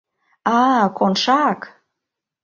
— А-а, Коншак!